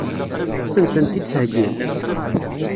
Ad sen-tent-id-theggim?